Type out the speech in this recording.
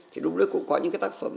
thì lúc đấy cụ có những cái tác phẩm